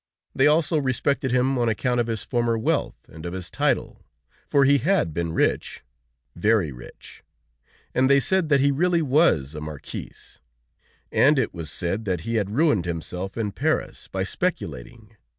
They also respected him on account of his former wealth and of his title, for he had been rich, very rich, and they said that he really was a marquis, and it was said that he had ruined himself in Paris by speculating.